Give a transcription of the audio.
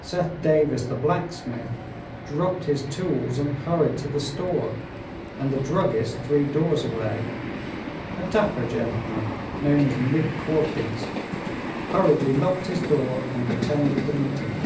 Seth Davis, the blacksmith, dropped his tools and hurried to the store, and the druggist three doors away a dapper gentleman known as Nib Corkins hurriedly locked his door and attended the meeting.